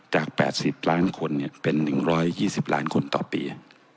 จาก๘๐ล้านคนเป็น๑๒๐ล้านคนต่อปี